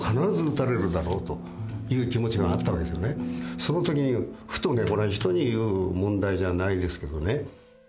その時にふとこれは人に言う問題じゃないですけどね。